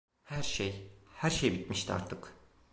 Her şey, her şey bitmişti artık…